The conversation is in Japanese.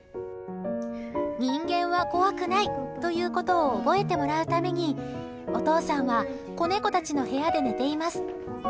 人間は怖くないということを覚えてもらうためにお父さんは子猫たちの部屋で寝ています。